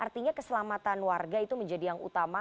artinya keselamatan warga itu menjadi yang utama